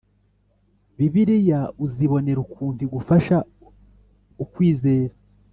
Bibiliya uzibonera ukuntu igufasha ukwizera